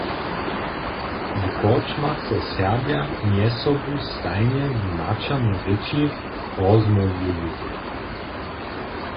W korčmach so Serbja mjez sobu stajnje w maćernej rěči rozmołwjeju.